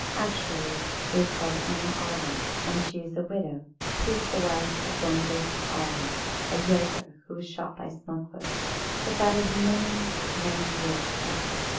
Actually, she is called Anna Arler, and is a widow. She was the wife of one Joseph Arler, a jäger, who was shot by smugglers. But that is many, many years ago.